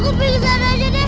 aku pergi ke sana aja deh